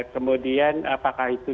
kemudian apakah itu